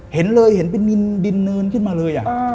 เห็นเลยเห็นเป็นดินเนินขึ้นมาเลย